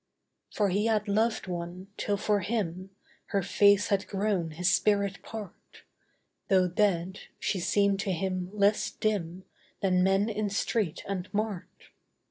For he had loved one till for him Her face had grown his spirit part: Though dead, she seemed to him less dim Than men in street and mart.